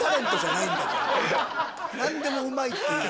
何でもうまいって言う。